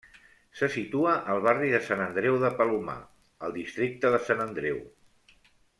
Se situa al barri de Sant Andreu de Palomar, al districte de Sant Andreu.